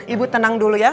ibu tenang dulu ya